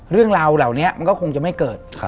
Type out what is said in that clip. เรื่องราวเหล่านี้มันก็คงจะไม่เกิด